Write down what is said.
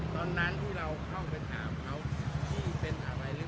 ตอนนั้นที่เราเข้าไปถามเขาพี่เป็นอะไรหรือเปล่าแล้วก็ไอ้นู่นไอ้นี่ไอ้นั่นสารพัฒน์